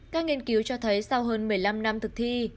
các nghiên cứu cho thấy sau hơn một mươi năm năm thực thi